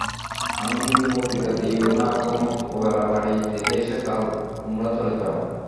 আর কিন্তু বক্তৃতা দিও না কুমুদ ওবেলা বাড়ি দেখে এসে কাল তোমরা চলে যাও।